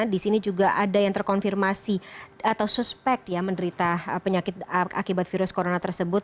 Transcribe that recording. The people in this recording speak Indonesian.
di sini juga ada yang terkonfirmasi atau suspek ya menderita penyakit akibat virus corona tersebut